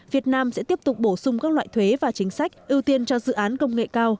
việt nam sẽ tiếp tục bổ sung các loại thuế và chính sách ưu tiên cho dự án công nghệ cao